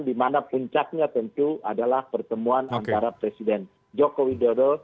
di mana puncaknya tentu adalah pertemuan antara presiden joko widodo